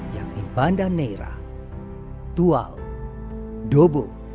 yang di bandar neira tual dobo